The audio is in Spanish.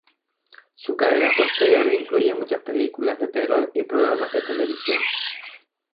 Su carrera posterior incluye muchas películas de terror y programas de televisión.